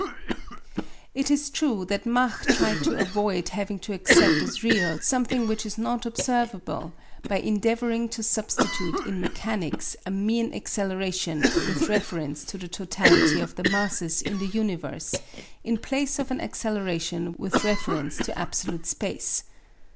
It is true that Mach tried to avoid having to accept as real something which is not observable by endeavouring to substitute in mechanics a mean acceleration with reference to the totality of the masses in the universe in place of an acceleration with reference to absolute space.